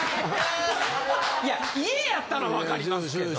いや家やったらわかりますけど。